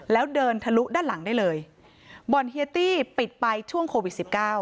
แล้วเดินทะลุด้านหลังได้เลยบ่อนเฮียตี้ปิดไปช่วงโควิดสิบเก้า